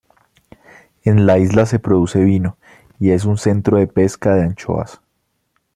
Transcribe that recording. En la isla se produce vino, y es un centro de pesca de anchoas.